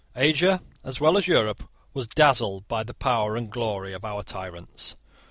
Asia, as well as Europe, was dazzled by the power and glory of our tyrants.